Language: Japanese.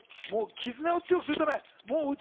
絆を強くするため。